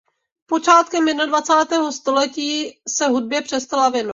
Počátkem jednadvacátého století se hudbě přestala věnovat.